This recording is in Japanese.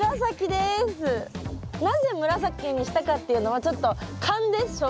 なぜ紫にしたかっていうのはちょっと勘です。